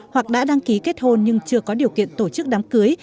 hoặc đã đăng ký kết hôn nhưng chưa có điều kiện tổ chức đám cưới